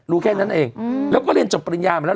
แค่นั้นเองแล้วก็เรียนจบปริญญามาแล้ว